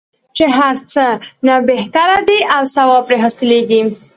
چې د هر څه نه بهتره دی او ثواب پرې حاصلیږي.